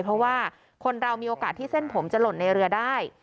เพราะว่าคนเรามีโอกาสที่เส้นผมจะหล่นในเรือได้